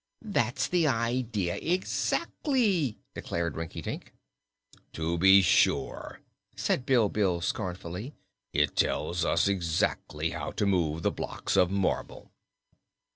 "That's the idea, exactly!" declared Rinkitink. "To be sure," said Bilbil scornfully, "it tells us exactly how to move the blocks of marble."